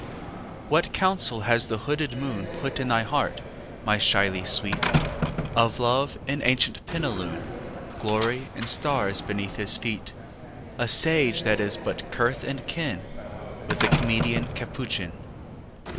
XII What counsel has the hooded moon Put in thy heart, my shyly sweet, Of Love in ancient plenilune, Glory and stars beneath his feetâ A sage that is but kith and kin With the comedian Capuchin?